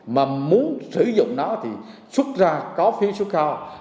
mà muốn sử dụng nó thì xuất ra có phiếu xuất kho